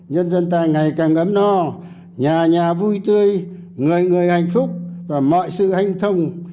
nhân dân ta ngày càng ấm no nhà nhà vui tươi người người hạnh phúc và mọi sự hanh thông